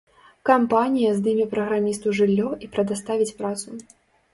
Кампанія здыме праграмісту жыллё і прадаставіць працу!